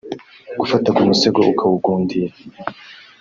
Gufata ku musego akawugundira